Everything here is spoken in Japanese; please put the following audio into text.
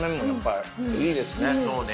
そうね